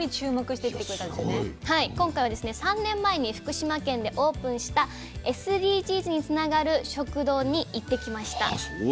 今回はですね３年前に福島県でオープンしたＳＤＧｓにつながる食堂に行ってきました。